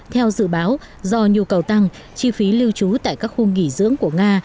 theo dự báo do nhu cầu tăng chi phí lưu trú tại các khu nghỉ dưỡng của nga